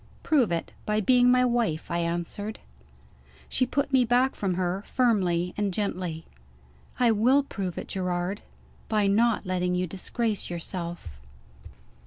"Prove it by being my wife," I answered. She put me back from her, firmly and gently. "I will prove it, Gerard, by not letting you disgrace yourself."